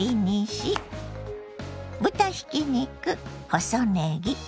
豚ひき肉細ねぎ